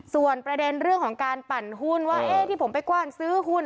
ส่วนประเด็นเรื่องของการปั่นหุ้นว่าที่ผมไปกว้านซื้อหุ้น